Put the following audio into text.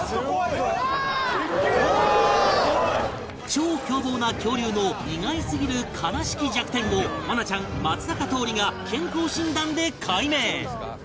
超凶暴な恐竜の意外すぎる悲しき弱点を愛菜ちゃん松坂桃李が健康診断で解明！